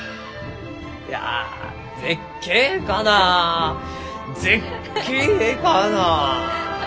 いや「絶景かな絶景かな」。